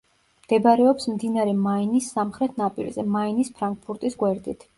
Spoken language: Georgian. მდებარეობს მდინარე მაინის სამხრეთ ნაპირზე, მაინის ფრანკფურტის გვერდით.